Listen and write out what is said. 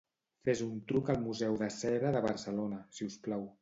Fes un truc al museu de cera de Barcelona, si us plau.